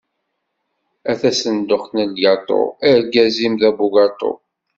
A tasenduqt n lgaṭu, argaz-im d abugaṭu.